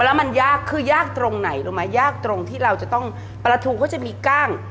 แล้วมันยากคือยากตรงไหนรู้ไหมยากตรงที่เราจะต้องปลาทูก็จะมีกล้าง